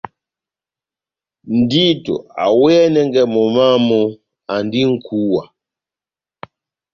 Ndito awɛnɛngɛ momó wamu, andi nʼkúwa.